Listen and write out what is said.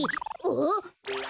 あっ！